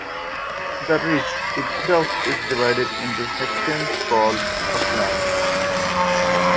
The ridge itself is divided in sections called uplands.